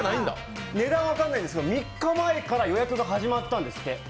値段は分かんないですけど３日前から予約が始まったんですって。